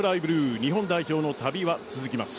日本代表の旅は続きます。